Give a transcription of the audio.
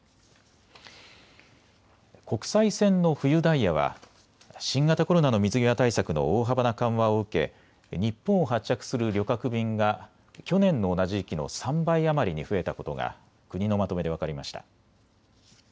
国際線の冬ダイヤは新型コロナの水際対策の大幅な緩和を受け日本を発着する旅客便が去年の同じ時期の３倍余りに増えたことが国のまとめで分かりました。